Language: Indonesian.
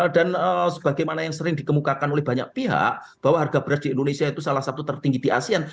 dan sebagaimana yang sering dikemukakan oleh banyak pihak bahwa harga beras di indonesia itu salah satu tertinggi di asean